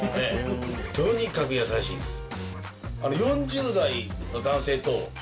とにかく優しいんです。